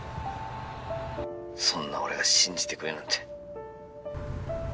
☎そんな俺が信じてくれなんて